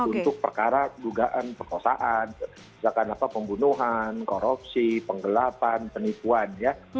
untuk perkara dugaan perkosaan misalkan pembunuhan korupsi penggelapan penipuan